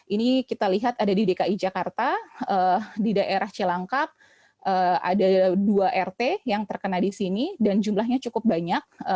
ini kita lihat ada di dki jakarta di daerah cilangkap ada dua rt yang terkena di sini dan jumlahnya cukup banyak